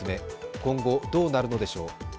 今後どうなるのでしょう。